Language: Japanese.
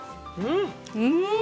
うん！